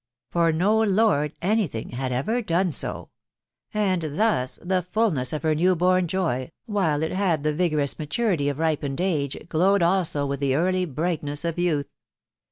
for no lord any thing had ever done so ; and thus, the fulness of her new born joy, while it had the vigorous maturity of ripened age, glowed also with the early brightness of youth.